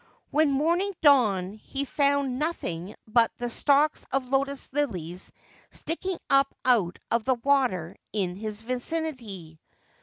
When morning dawned he found nothing but the stalks of lotus lilies sticking up out of the water in his vicinity.